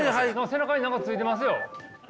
背中に何かついてますよ。